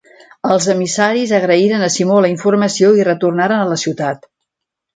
Els emissaris agraïren a Simó la informació i retornaren a la ciutat.